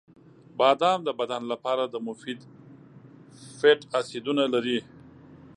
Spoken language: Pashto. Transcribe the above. • بادام د بدن لپاره د مفید فیټ اسیدونه لري.